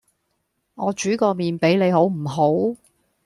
我煮個麵俾你好唔好？